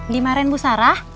dimarahin bu sarah